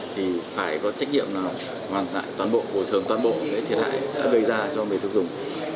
thì phải có trách nhiệm là hoàn toàn toàn bộ hồi thường toàn bộ cái thiệt hại gây ra cho người tiêu dùng